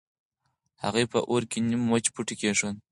هغې په اور کې نيم وچ بوټی کېښود.